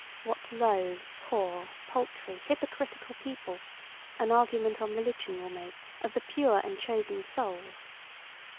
What low, poor, paltry, hypocritical people an argument on religion will make of the pure and chosen souls!